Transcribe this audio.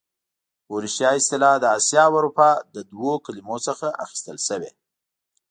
اوریشیا اصطلاح د اسیا او اروپا له دوو کلمو څخه اخیستل شوې.